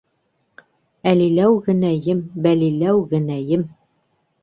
Әлиләү генәйем, бәлиләү генәйем